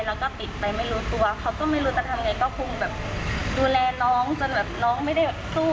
แล้วก็ติดไปไม่รู้ตัวเขาก็ไม่รู้จะทำยังไงก็คงแบบดูแลน้อง